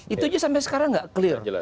itu aja sampai sekarang nggak clear